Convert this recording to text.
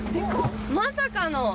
まさかの。